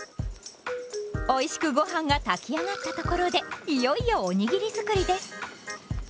おいしくごはんが炊き上がったところでいよいよおにぎり作りです。